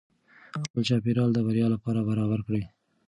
خپل چاپیریال د بریا لپاره برابر کړئ.